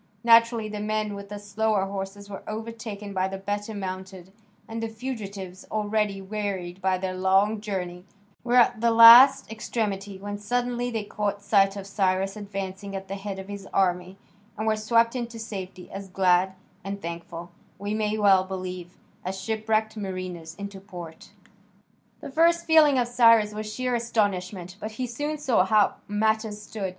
Naturally the men with the slower horses were overtaken by the better mounted, and the fugitives, already wearied by their long journey, were at the last extremity when suddenly they caught sight of Cyrus advancing at the head of his army, and were swept into safety, as glad and thankful, we may well believe, as shipwrecked mariners into port. The first feeling of Cyrus was sheer astonishment, but he soon saw how matters stood.